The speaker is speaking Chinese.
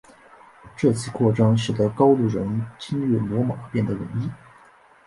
这次扩张使得高卢人侵略罗马变得容易。